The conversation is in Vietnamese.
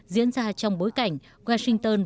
diễn ra trong bối cảnh washington